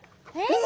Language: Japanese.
えっ？